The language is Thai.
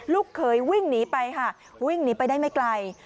ลูกเขยวิ่งหนีไปค่ะวิ่งหนีไปได้ไม่ไกล